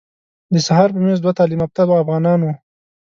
د سهار په میز دوه تعلیم یافته افغانان وو.